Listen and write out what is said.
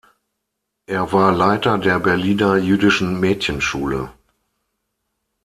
Er war Leiter der Berliner jüdischen Mädchenschule.